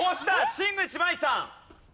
新内眞衣さん。